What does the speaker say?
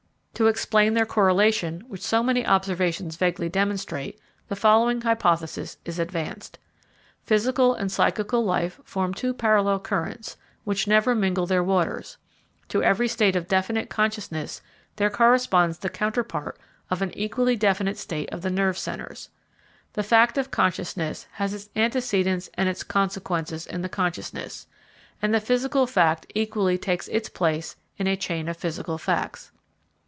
To explain their correlation, which so many observations vaguely demonstrate, the following hypothesis is advanced. Physical and psychical life form two parallel currents, which never mingle their waters; to every state of definite consciousness there corresponds the counterpart of an equally definite state of the nerve centres; the fact of consciousness has its antecedents and its consequences in the consciousness; and the physical fact equally takes its place in a chain of physical facts.